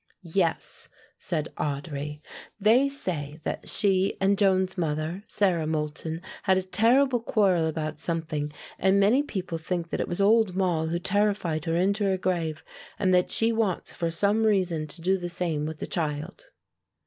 "Yes," said Audry, "they say that she and Joan's mother, Sarah Moulton, had a terrible quarrel about something and many people think that it was old Moll who terrified her into her grave and that she wants for some reason to do the same with the child."